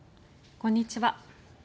こんにちは。